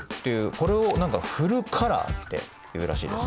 これをフルカラーっていうらしいですね。